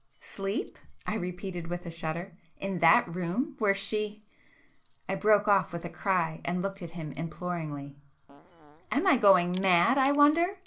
"Sleep!" I repeated with a shudder—"In that room where she——" I broke off with a cry and looked at him imploringly—"Am I going mad, I wonder!